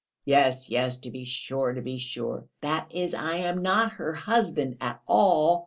"Yes, yes, to be sure, to be sure...." "That is, I am not her husband at all...."